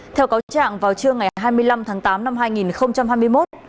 theo cáo trạng vào trưa ngày hai mươi năm tháng tám năm hai nghìn hai mươi một